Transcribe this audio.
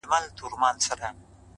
مجموعه ده د روحونو په رگو کي _